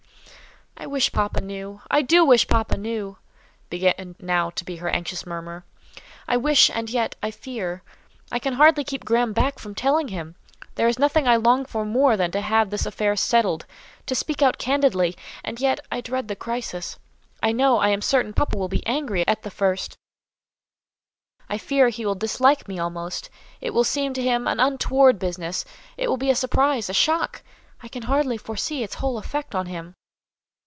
"I wish papa knew; I do wish papa knew!" began now to be her anxious murmur. "I wish, and yet I fear. I can hardly keep Graham back from telling him. There is nothing I long for more than to have this affair settled—to speak out candidly; and yet I dread the crisis. I know, I am certain, papa will be angry at the first; I fear he will dislike me almost; it will seem to him an untoward business; it will be a surprise, a shock: I can hardly foresee its whole effect on him."